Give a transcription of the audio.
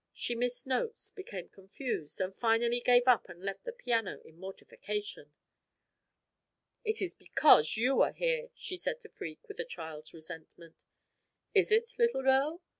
She missed notes, became confused, and finally gave up and left the piano in mortification. "It is because you are here," she said to Freke, with a child's resentment. "Is it, little girl?"